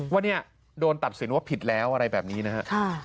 ว่าเนี่ยโดนตัดสินว่าผิดแล้วอะไรแบบนี้นะครับ